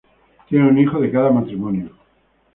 Tiene un hijo de cada matrimonio.